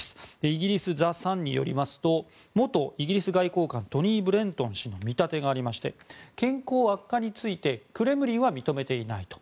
イギリスのザ・サンによりますと元イギリス外交官トニー・ブレントン氏の見立てがありまして健康悪化についてクレムリンは認めていないと。